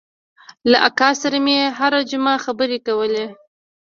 له اکا سره مې هره جمعه خبرې کولې.